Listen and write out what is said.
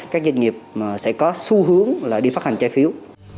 các doanh nghiệp sẽ có xu hướng là đi phát hành trái phiếu